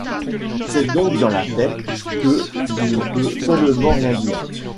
C’est donc dans la tête, que tu ne peux seulement rien dire?...